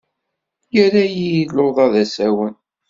Yerra-iyi luḍa d asawen.